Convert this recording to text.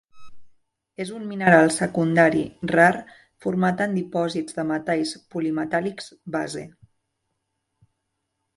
És un mineral secundari rar format en dipòsits de metalls polimetàl·lics base.